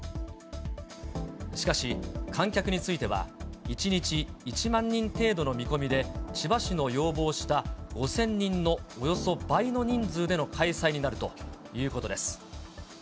しかし、観客については１日１万人程度の見込みで、千葉市の要望した５０００人のおよそ倍の人数での開催になるということです。